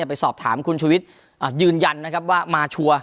ไปสอบถามคุณชุวิตยืนยันนะครับว่ามาชัวร์